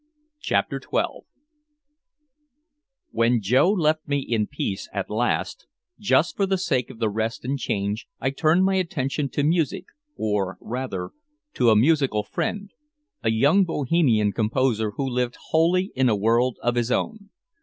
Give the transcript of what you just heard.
CHAPTER XII When Joe left me in peace at last, just for the sake of the rest and change I turned my attention to music, or, rather, to a musical friend, a young Bohemian composer who lived wholly in a world of his own.